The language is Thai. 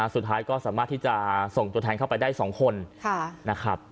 สุดท้ายก็สามารถที่จะส่งตัวแทนเข้าไปได้๒คนนะครับ